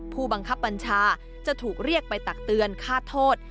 ผู้บังคับบัญชาจะถูกเรียกไปตักเตือนฆ่าโทษ